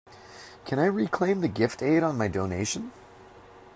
Can I reclaim the gift aid on my donation?